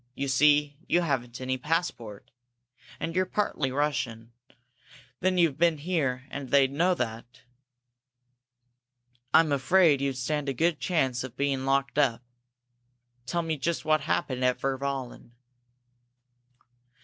You see, you haven't any passport. And you're partly Russian. Then you've been here, and they'd know that. I'm afraid you'd stand a good chance of being locked up. Tell me just what happened at Virballen."